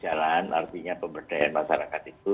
jalan artinya pemberdayaan masyarakat itu